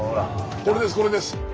これですこれです。